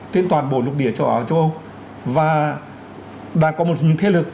trên toàn bộ lục địa châu âu